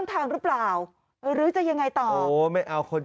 เข้าไปเลยนะคะ